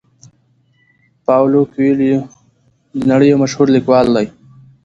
پاولو کویلیو د نړۍ یو مشهور لیکوال دی.